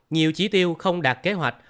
nhiều trí tiêu không đạt kế hoạch